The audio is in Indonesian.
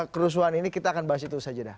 kerusuhan ini kita akan bahas itu saja dah